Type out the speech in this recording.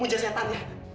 muja setan ya